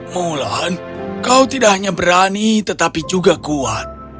mulan kau tidak hanya berani tetapi juga kuat